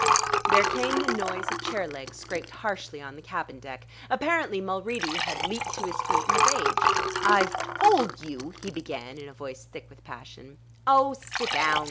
There came the noise of chair legs scraped harshly on the cabin deck. Apparently Mulready had leaped to his feet in a rage. "I've told you " he began in a voice thick with passion. "Oh, sit down!"